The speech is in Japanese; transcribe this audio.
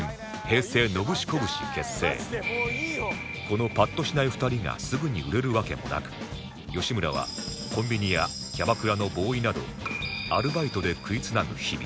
このパッとしない２人がすぐに売れるわけもなく吉村はコンビニやキャバクラのボーイなどアルバイトで食いつなぐ日々